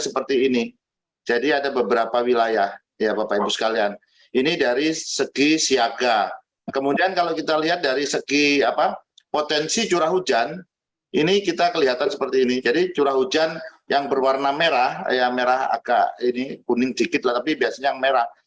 potensi curah hujan ini kita kelihatan seperti ini jadi curah hujan yang berwarna merah yang merah agak ini kuning sedikit lah tapi biasanya yang merah